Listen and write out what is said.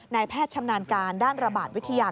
แพทย์ชำนาญการด้านระบาดวิทยา